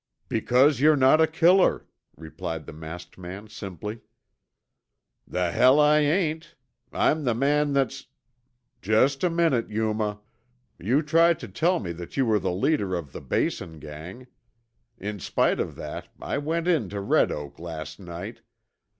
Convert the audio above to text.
"Because you're not a killer," replied the masked man simply. "The hell I ain't. I'm the man that's " "Just a minute, Yuma. You tried to tell me that you were the leader of the Basin gang. In spite of that, I went in to Red Oak last night.